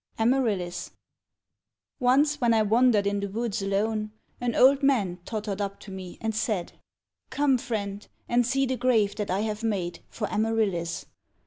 Amaryllis Once, when I wandered in the woods alone, An old man tottered up to me and said, "Come, friend, and see the grave that I have made For Amaryllis."